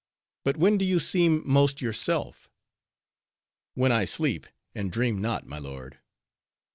But when do you seem most yourself?" "When I sleep, and dream not, my lord."